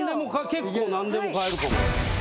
結構何でも買えるかも。